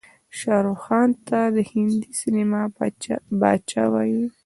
شاروخ خان ته د هندي سينما بادشاه وايې.